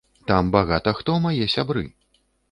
Там багата хто мае сябры.